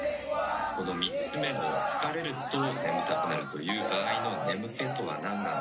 この３つ目の「疲れると眠たくなる」という場合の「眠気」とはなんなのか。